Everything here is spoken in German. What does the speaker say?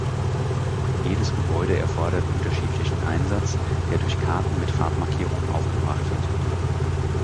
Jedes Gebäude erfordert unterschiedlichen Einsatz, der durch Karten mit Farbmarkierungen aufgebracht wird.